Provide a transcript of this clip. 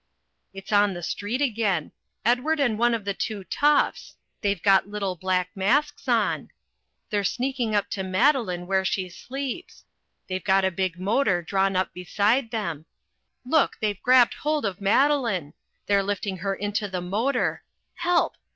It's in the street again Edward and one of the two toughs they've got little black masks on they're sneaking up to Madeline where she sleeps they've got a big motor drawn up beside them look, they've grabbed hold of Madeline they're lifting her into the motor help!